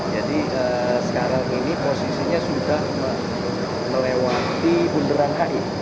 jadi sekarang ini posisinya sudah melewati bunderang kai